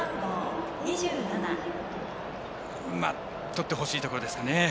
とってほしいところですかね。